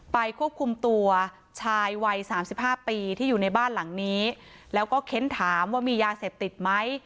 ควบคุมตัวชายวัยสามสิบห้าปีที่อยู่ในบ้านหลังนี้แล้วก็เค้นถามว่ามียาเสพติดไหม